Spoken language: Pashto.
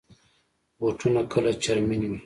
بوټونه کله چرمین وي.